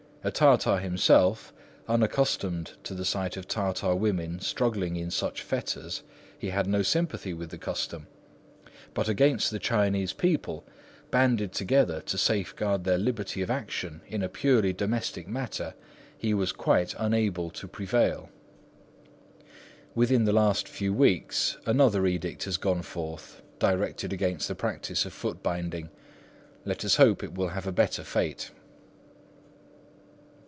A Tartar himself, unaccustomed to the sight of Tartar women struggling in such fetters, he had no sympathy with the custom; but against the Chinese people, banded together to safeguard their liberty of action in a purely domestic matter, he was quite unable to prevail. Within the last few weeks another edict has gone forth, directed against the practice of foot binding. Let us hope it will have a better fate.